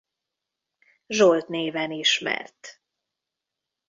Zsolt néven ismert.